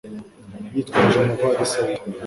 Yitwaje amavalisi abiri